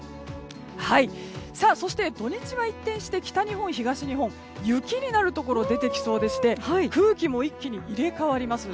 そして、土日は一転して北日本や東日本は雪になるところが出てきそうでして空気も一気に入れ替わります。